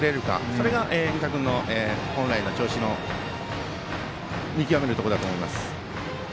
それが仁田君の本来の調子の見極めるところだと思います。